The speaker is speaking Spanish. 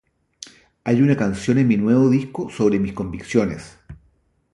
Hay una canción en mi nuevo disco sobre mis convicciones.